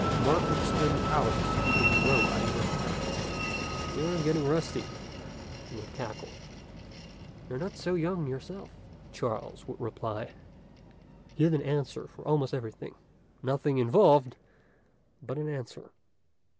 Mark would spend hours keeping the robot in repair. "You're getting rusty," he would cackle. "You're not so young yourself," Charles would reply. He had an answer for almost everything. Nothing involved, but an answer.